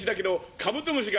カブトムシだ！